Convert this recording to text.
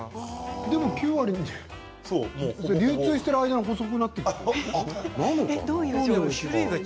でも９割流通している間に細くなるの？